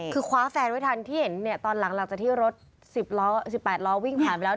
คือคว้าแฟนไว้ทันที่เห็นตอนหลังจากที่รถ๑๘ล้อวิ่งผ่านไปแล้ว